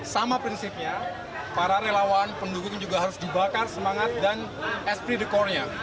sama prinsipnya para relawan pendukung juga harus dibakar semangat dan esprit de corps nya